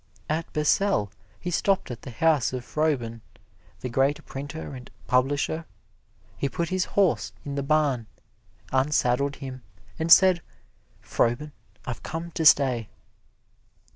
At Basel he stopped at the house of Froben, the great printer and publisher. He put his horse in the barn, unsaddled him, and said, "Froben, I've come to stay."